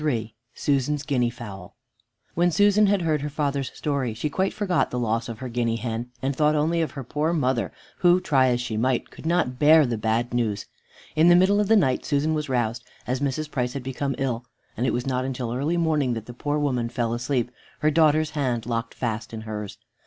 III SUSAN'S GUINEA FOWL When Susan had heard her father's story, she quite forgot the loss of her guinea hen, and thought only of her poor mother who, try as she might, could not bear the bad news. In the middle of the night Susan was roused, as Mrs. Price had become ill, and it was not until early morning that the poor woman fell asleep, her daughter's hand locked fast in hers.